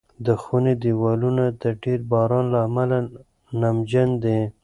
د خونې دېوالونه د ډېر باران له امله نمجن دي.